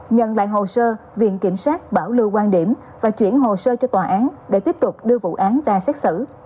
nhận lại hồ sơ viện kiểm sát bảo lưu quan điểm và chuyển hồ sơ cho tòa án để tiếp tục đưa vụ án ra xét xử